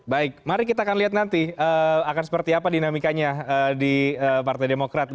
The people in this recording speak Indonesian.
baik mari kita akan lihat nanti akan seperti apa dinamikanya di partai demokrat